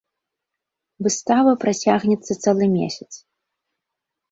Выстава працягнецца цэлы месяц.